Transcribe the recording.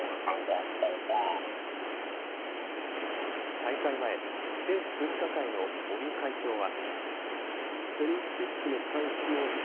大会前、政府分科会の尾身会長は。